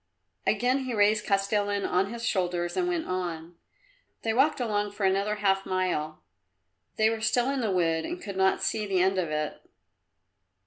Again he raised Kostilin on to his shoulders and went on. They walked along for another half mile. They were still in the wood and could not see the end of it.